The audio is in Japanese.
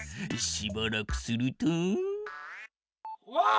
しばらくすると。